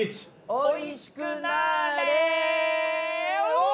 おいしくなーれ！